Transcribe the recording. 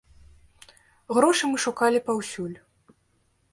Грошы мы шукалі паўсюль.